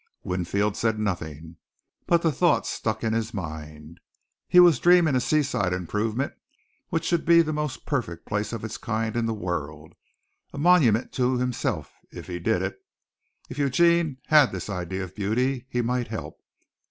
Winfield said nothing, but the thought stuck in his mind. He was dreaming a seaside improvement which should be the most perfect place of its kind in the world a monument to himself if he did it. If Eugene had this idea of beauty he might help.